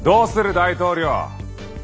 大統領。